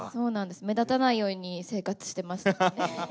目立たないように生活してました。